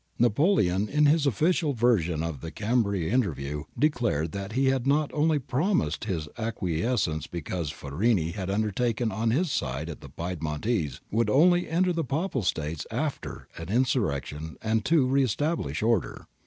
^ Napoleon, in his official version of the Chambery interview, declared that he had only promised his acquiescence because Farini had undertaken on his side that the Piedmontese * would only enter the Papal States after an insurrection and to re establish order.'